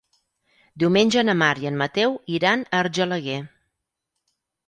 Diumenge na Mar i en Mateu iran a Argelaguer.